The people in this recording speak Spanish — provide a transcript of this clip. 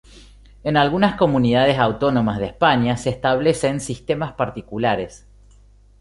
En algunas comunidades autónomas de España se establecen sistemas particulares.